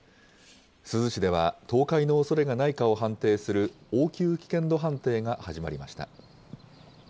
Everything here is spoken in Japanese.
珠洲市では倒壊のおそれがないかを判定する、応急危険度判定が始まりました。